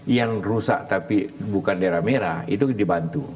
yang rusak tapi bukan daerah merah itu dibantu